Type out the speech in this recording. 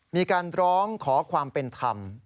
มีการร้องขอความเป็นธรรม